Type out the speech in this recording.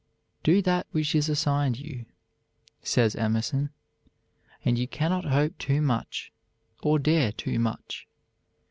"Do that which is assigned you," says Emerson, "and you cannot hope too much or dare too much.